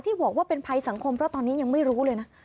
บอกว่าเป็นภัยสังคมเพราะตอนนี้ยังไม่รู้เลยนะ